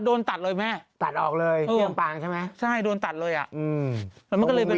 โดนตัดเลยแม่ตัดออกเลยที่ลำปางใช่ไหมใช่โดนตัดเลยอ่ะอืมแล้วมันก็เลยเป็น